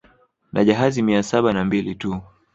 Na jahazi mia saba na mbili tu